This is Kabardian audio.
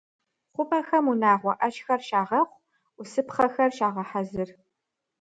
ХъупӀэхэм унагъуэ Ӏэщхэр щагъэхъу, Ӏусыпхъэхэр щагъэхьэзыр.